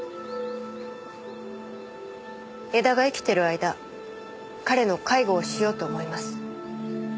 江田が生きてる間彼の介護をしようと思います。